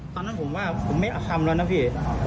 ตอนนั้นผมว่าผมไม่เอาคำแล้วนะพี่